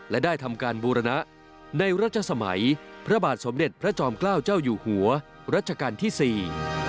และได้ทำการบูรณะในรัชสมัยพระบาทสมเด็จพระจอมเกล้าเจ้าอยู่หัวรัชกาลที่สี่